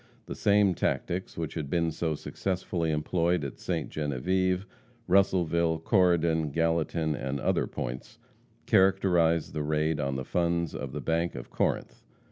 The same tactics which had been so successfully employed at Ste. Genevieve, Russellville, Corydon, Gallatin, and other points, characterized the raid on the funds of the bank of Corinth.